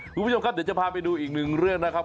คุณผู้ชมครับเดี๋ยวจะพาไปดูอีกหนึ่งเรื่องนะครับ